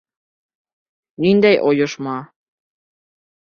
Ниндәй ойошма?